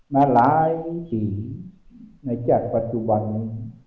มาหลายบิริติในจักรปัจจุบันนี้